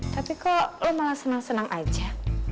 tapi kok lo malah seneng seneng aja